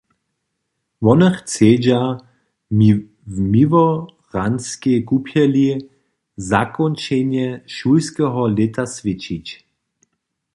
Wone chcedźa w Miłoraskej kupjeli zakónčenje šulskeho lěta swjećić.